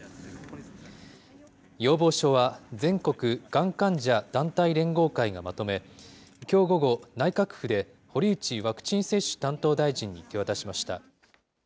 要望書は、全国がん患者団体連合会がまとめ、きょう午後、内閣府で、堀内ワクチン接種担当大臣に手渡しました。